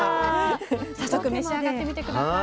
早速召し上がってみて下さい。